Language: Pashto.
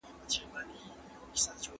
که په اور کي وايشېږي